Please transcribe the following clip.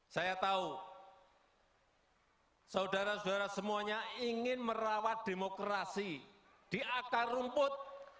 saya tahu saudara saudara semuanya ingin merawat demokrasi di akar rumput